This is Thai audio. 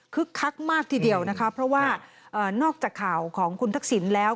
คักมากทีเดียวนะคะเพราะว่านอกจากข่าวของคุณทักษิณแล้ว